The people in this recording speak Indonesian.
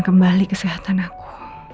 kembali kesehatan aku